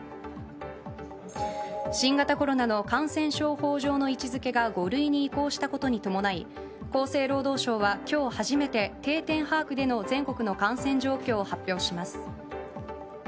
新型コロナの感染症法上の位置づけが５類に移行したことに伴い厚生労働省は今日初めて定点把握での全国の感染状況を発表します。